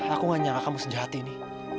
aku gak nyangka kamu sejahat ini